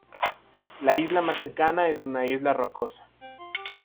La isla más cercana es un isla rocosa.